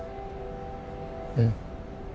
うん。